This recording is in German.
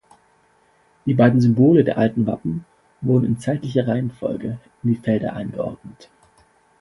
Die beiden Symbole der alten Wappen wurden in zeitlicher Reihenfolge in die Felder eingeordnet.